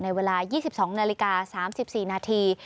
เวลา๒๒นาฬิกา๓๔นาที